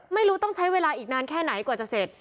ไม่รู้ต้องใช้เวลาอีกนานแค่ไหนกว่าจะเสร็จ